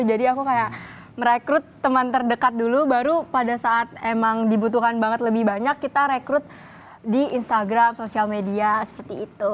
jadi aku kayak merekrut temen terdekat dulu baru pada saat emang dibutuhkan banget lebih banyak kita rekrut di instagram social media seperti itu